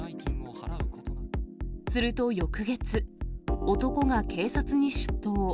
すると翌月、男が警察に出頭。